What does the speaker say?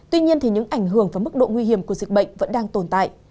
tuy nhiên những ảnh hưởng và mức độ nguy hiểm của dịch bệnh vẫn đang tồn tại